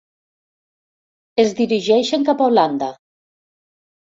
Es dirigeixen cap a Holanda.